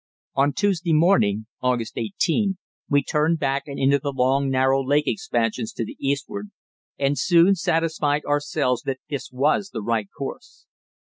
On Tuesday morning (August 18) we turned back and into the long, narrow lake expansions to the eastward, and soon satisfied ourselves that this was the right course.